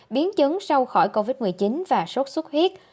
biến chứng sau khỏi covid một mươi chín và sốt xuất huyết